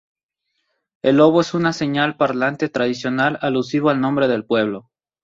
El lobo es una señal parlante tradicional alusivo al nombre del pueblo.